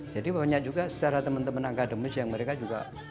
jadi banyak juga secara teman teman angka demis yang mereka juga